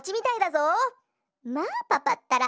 まあパパったら。